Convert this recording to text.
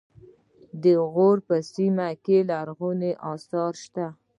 د غور په سیمه کې لرغوني اثار شته